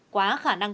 quá khả năng